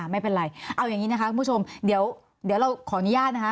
ไม่เป็นไรเอาอย่างนี้นะคะคุณผู้ชมเดี๋ยวเราขออนุญาตนะคะ